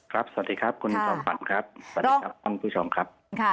สวัสดีครับคุณจอมฝันครับสวัสดีครับท่านผู้ชมครับ